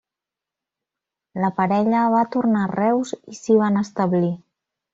La parella va tornar a Reus i s'hi van establir.